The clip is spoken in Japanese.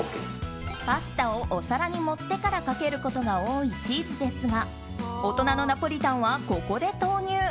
パスタをお皿に盛ってからかけることが多いチーズですが大人のナポリタンはここで投入。